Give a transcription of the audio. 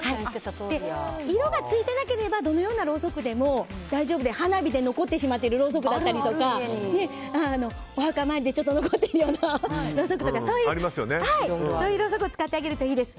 色がついてなければどのようなろうそくでも大丈夫で、花火で残ってしまっているろうそくやお墓参りで残っているろうそくなどそういう、ろうそくを使ってあげるといいです。